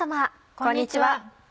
こんにちは。